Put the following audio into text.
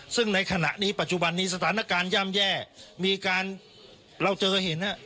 ซึ่งในขณะนี้ปัจจุบันนี้สถานการณ์ย่ำแย่มีการเราเจอเห็น